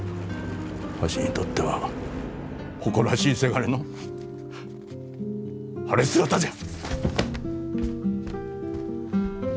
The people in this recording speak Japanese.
わしにとっては誇らしいせがれの晴れ姿じゃ。